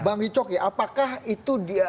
bang hicok ya apakah itu dia